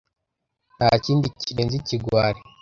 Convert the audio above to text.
Ntakindi kirenze ikigwari.